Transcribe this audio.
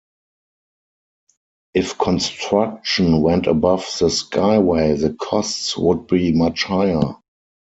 If construction went above the Skyway, the costs would be much higher.